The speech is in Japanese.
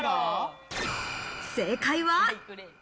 正解は。